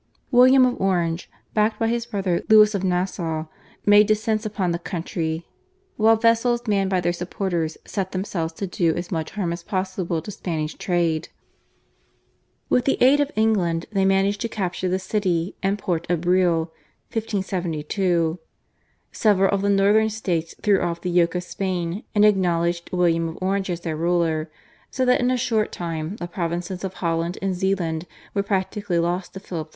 William of Orange, backed by his brother, Louis of Nassau, made descents upon the country, while vessels manned by their supporters set themselves to do as much harm as possible to Spanish trade. With the aid of England they managed to capture the city and port of Briel (1572). Several of the northern states threw off the yoke of Spain and acknowledged William of Orange as their ruler, so that in a short time the Provinces of Holland and Zeeland were practically lost to Philip II.